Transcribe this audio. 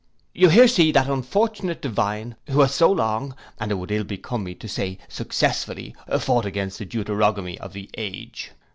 You here see that unfortunate Divine, who has so long, and it would ill become me to say, successfully, fought against the deuterogamy of the age.